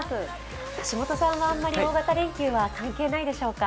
橋本さんはあまり大型連休は関係ないでしょうか？